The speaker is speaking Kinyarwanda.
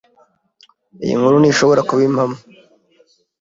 Iyo nkuru ntishobora kuba impamo.